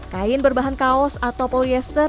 kain berbahan kaos atau polyester